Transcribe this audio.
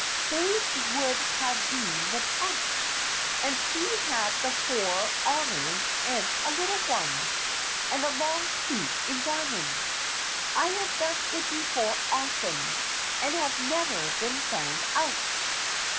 Spades would have been the trumps, and she had the four hon ors and a little one, and a long suit in diamonds. I have done it before often, and have never been found out."